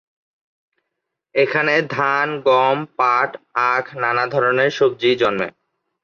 এখানে ধান, গম, পাট, আখ, নানা ধরনের সবজি জন্মে।